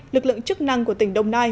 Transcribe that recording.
lực lượng chức năng của tỉnh đông nai